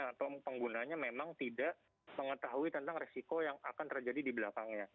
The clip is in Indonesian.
atau penggunanya memang tidak mengetahui tentang resiko yang akan terjadi di belakangnya